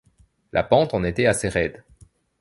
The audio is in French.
La pente en était assez raide.